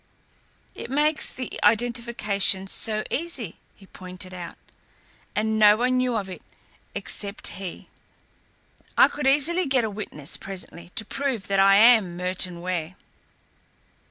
"It makes the identification so easy," he pointed out, "and no one knew of it except he. I could easily get a witness presently to prove that I am Merton Ware."